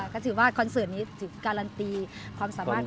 ก็ถือว่าคอนเสิร์ตนี้ถือการันตีความสามารถ